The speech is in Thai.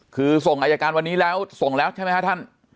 คือส่งอายการวันนี้แล้วส่งแล้วใช่ไหมฮะท่าน